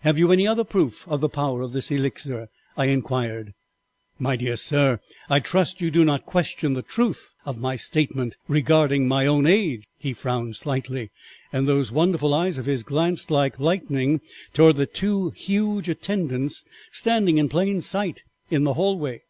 "'Have you any other proof of the power of this Elixir?' I inquired. "'My dear sir, I trust you do not question the truth of my statement regarding my own age.' "He frowned slightly, and those wonderful eyes of his glanced like lightning towards the two huge attendants standing in plain sight in the hallway.